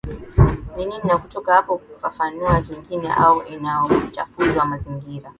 ni nini na kutoka hapo fafanua zingine au aina za uchafuzi wa mazingira